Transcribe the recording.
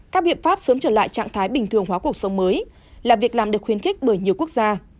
các biện pháp sớm trở lại trạng thái bình thường hóa cuộc sống mới là việc làm được khuyến khích bởi nhiều quốc gia